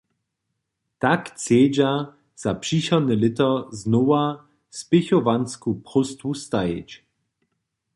Tak chcedźa za přichodne lěto znowa spěchowansku próstwu stajić.